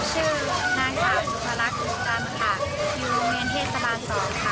ชื่อนาคาหลุทระลักษมณ์สินตามค่ะอยู่เมืองเทศสบาน๒ค่ะ